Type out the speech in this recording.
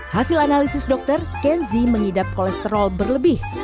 hasil analisis dokter kenzi mengidap kolesterol berlebih